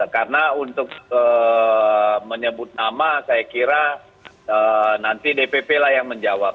karena untuk menyebut nama saya kira nanti dpp lah yang menjawab